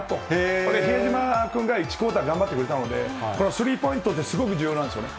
これ、比江島君が１クオーター頑張ってくれたので、このスリーポイントってすごく重要なんですよね。